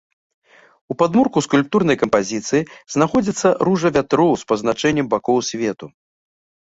У падмурку скульптурнай кампазіцыі знаходзіцца ружа вятроў з пазначэннем бакоў свету.